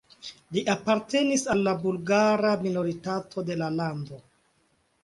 Li apartenis al la bulgara minoritato de la lando.